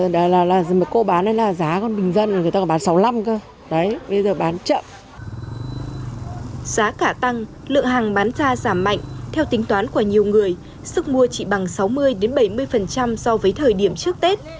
theo tính toán của nhiều người sức mua chỉ bằng sáu mươi bảy mươi so với thời điểm trước tết